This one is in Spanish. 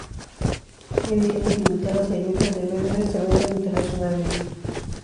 Ediciones limitadas y abiertas de Behrens se venden internacionalmente.